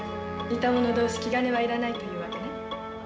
似たもの同士気兼ねはいらないというわけね。